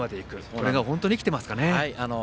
これが本当に生きてますかね。